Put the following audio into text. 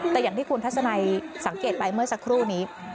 แต่อย่างที่คุณทัศนัยสังเกตไปเมื่อสักครู่นี้